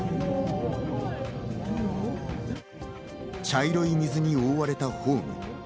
茶色い水に覆われたホーム。